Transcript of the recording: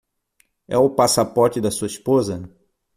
É o passaporte da sua esposa?